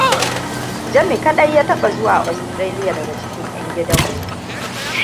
Jami kadai ya taba zuwa Austarlia daga cikin yan gidan mu.